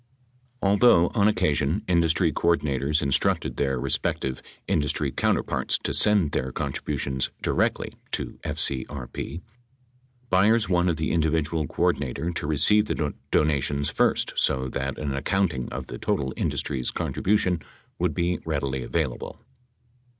Although on occasion industry coordinators instructed their respective industry counterparts to send their con tributions directly to FCRP, Byers wanted the individual coordinator to receive the donations first so that an accounting of the total indus try's contribution would be readily available.